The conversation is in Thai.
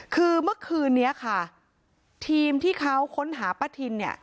คือเมื่อคืนนี้ค่ะทีมที่เขาค้นหาป้าทินเนี่ย